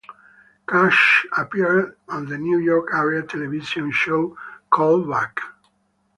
Cash appeared on the New York area television show Callback!